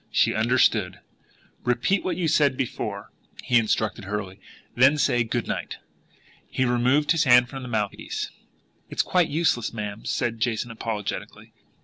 She understood! "Repeat what you said before, Jason," he instructed hurriedly. "Then say 'Good night.'" He removed his hand from the mouthpiece. "It's quite useless, ma'am," said Jason apologetically.